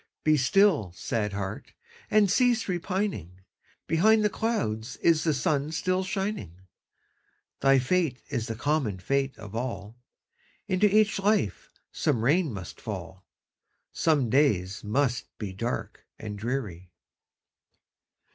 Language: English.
Be still, sad heart! and cease repining; Behind the clouds is the sun still shining; Thy fate is the common fate of all, Into each life some rain must fall, Some days must be dark and dreary.